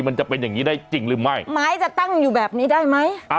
มันจะเป็นอย่างงี้ได้จริงหรือไม่ไม้จะตั้งอยู่แบบนี้ได้ไหม